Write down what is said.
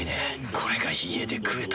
これが家で食えたなら。